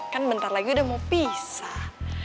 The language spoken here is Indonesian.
kan bentar lagi udah mau pisah